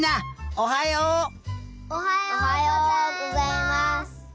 おはようございます。